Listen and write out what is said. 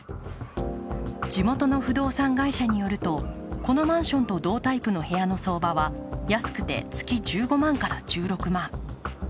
地元の不動産会社によるとこのマンションと同タイプの部屋の相場は安くて月１５１６万。